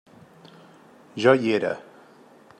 Jo hi era.